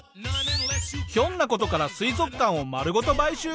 ひょんな事から水族館を丸ごと買収？